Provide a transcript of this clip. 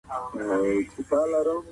دا د وطن د بوی او خوند یوه ټوټه ده.